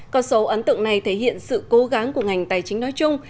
con số ấn tượng này thể hiện sự cố gắng của ngành tài chính nói chung